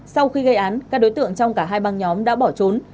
sau khi gây án các đối tượng trong cả hai băng nhóm đã bỏ trốn